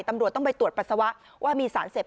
ตำรวจต้องไปตรวจปัสสาวะว่ามีสารเสพ